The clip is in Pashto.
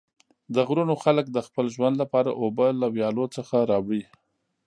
د غرونو خلک د خپل ژوند لپاره اوبه له ویالو څخه راوړي.